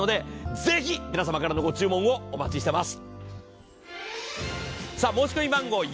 ぜひ皆様からのご注文をお待ちしています。